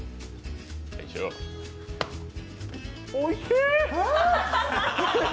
おいしい！